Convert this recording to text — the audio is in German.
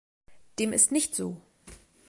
Dem ist nicht so!